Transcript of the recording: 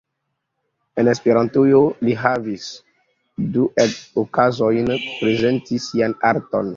En Esperantujo li havis du okazojn prezenti sian arton.